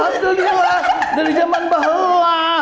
hasilnya lah dari zaman bahwa